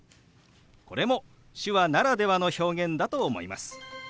これも手話ならではの表現だと思います。